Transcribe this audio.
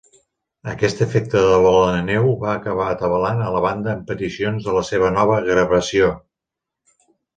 Aquest efecte de bola de neu va acabar atabalant a la banda amb peticions de la seva nova gravació.